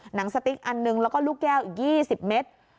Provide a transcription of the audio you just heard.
หนังสติ๊กอันหนึ่งแล้วก็ลูกแก้วอีก๒๐เมตร